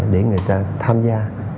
để người ta tham gia